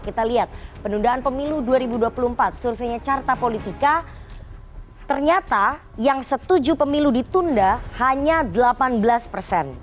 kita lihat penundaan pemilu dua ribu dua puluh empat surveinya carta politika ternyata yang setuju pemilu ditunda hanya delapan belas persen